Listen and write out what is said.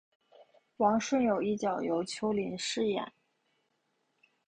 王顺友一角由邱林饰演。